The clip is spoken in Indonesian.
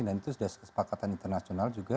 dan itu sudah kesepakatan internasional juga